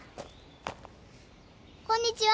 こんにちは！